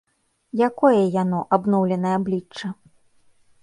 Якое яно, абноўленае аблічча?